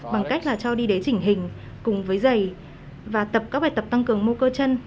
bằng cách là cho đi đấy chỉnh hình cùng với giày và tập các bài tập tăng cường mô cơ chân